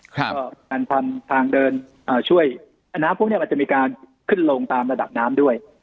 ก็การทำทางเดินช่วยน้ำพวกนี้มันจะมีการขึ้นลงตามระดับน้ำด้วย